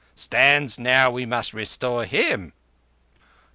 Stands now we must restore him."